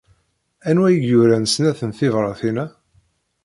Anwa i yuran snat n tebratin-a?